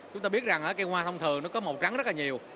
chúng tôi biết rằng cây hoa thông thường nó có màu trắng rất là nhiều